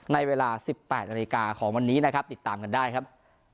ในเวลา๑๘นาฬิกาของวันนี้นะครับติดตามกันได้ครับ